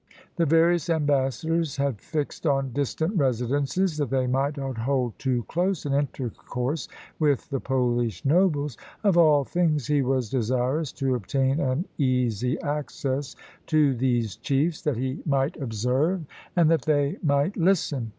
The various ambassadors had fixed and distant residences, that they might not hold too close an intercourse with the Polish nobles. Of all things, he was desirous to obtain an easy access to these chiefs, that he might observe, and that they might listen.